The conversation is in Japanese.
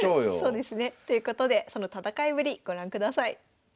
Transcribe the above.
そうですね。ということでその戦いぶりご覧ください。